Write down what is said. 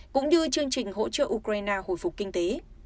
cũng như chương trình hỗ trợ ukraine hồi phục kinh tế